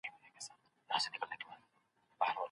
که عايد په عادلانه توګه ووېشل سي رفا به رامنځته سي.